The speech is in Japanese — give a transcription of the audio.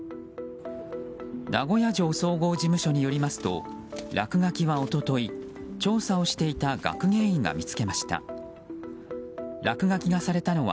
名古屋城総合事務所によりますと落書きは一昨日調査をしていた学芸員が見つけました。